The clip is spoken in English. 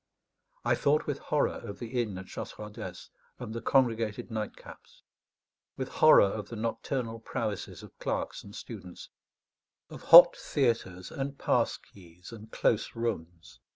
I thought with horror of the inn at Chasseradès and the congregated nightcaps; with horror of the nocturnal prowesses of clerks and students, of hot theatres and pass keys and close rooms.